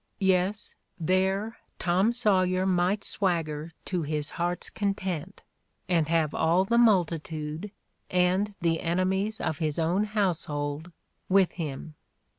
Yes, there Tom Sawyer might swagger to his heart's content and have all the multitude, and the enemies of his own household, with him.